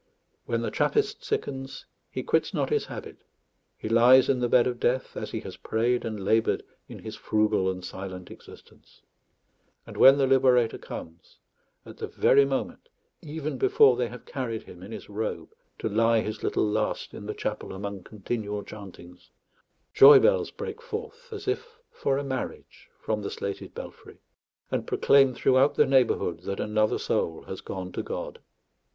When the Trappist sickens, he quits not his habit; he lies in the bed of death as he has prayed and laboured in his frugal and silent existence; and when the Liberator comes, at the very moment, even before they have carried him in his robe to lie his little last in the chapel among continual chantings, joy bells break forth, as if for a marriage, from the slated belfry, and proclaim throughout the neighbourhood that another soul has gone to God.